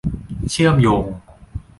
เชื่อมโยง